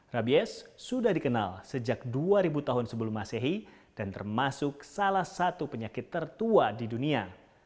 rabies sudah dikenal sejak dua ribu tahun sebelum masehi dan termasuk salah satu penyakit tertua di dunia